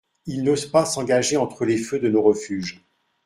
Ils n'osent pas s'engager entre les feux de nos refuges.